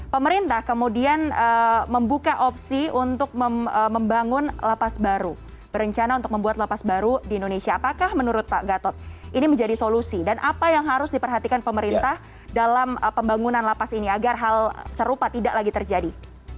pemerintah kemudian membuka opsi untuk membangun lapas baru berencana untuk membuat lapas baru di indonesia apakah menurut pak gatot ini menjadi solusi dan apa yang harus diperhatikan pemerintah dalam pembangunan lapas ini agar hal serupa tidak lagi terjadi